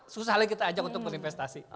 susah lagi kita ajak untuk investasi